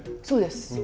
そうです。